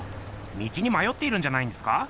道にまよっているんじゃないんですか？